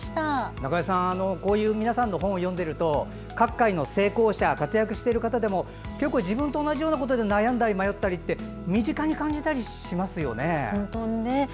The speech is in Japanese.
中江さん、こういう皆さんの本を読んでいると各界の成功者活躍している人でも結構、自分と同じようなことで悩んだり迷ったりって身近に感じたりしますよね。